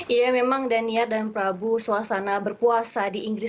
iya memang daniar dan prabu suasana berpuasa di inggris